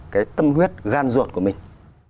cái tâm huyết gan ruột của mình